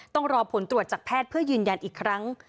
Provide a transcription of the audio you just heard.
ต้องรอผลตรวจจากแพทย์เพื่อยืนยันอีกครั้ง